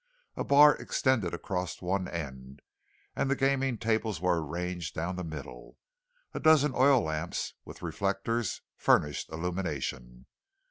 A bar extended across one end, and the gaming tables were arranged down the middle. A dozen oil lamps with reflectors furnished illumination.